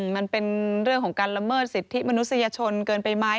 มันเป็นเรื่องของการละเมิดสิทธิมนุษยชนเกินไปไหม